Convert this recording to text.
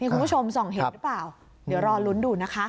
คุณผู้ชมส่องเห็นหรือเปล่าเดี๋ยวรอลุ้นดูนะคะ